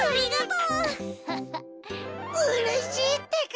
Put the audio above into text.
うれしいってか！